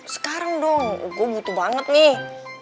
sekarang dong gue butuh banget nih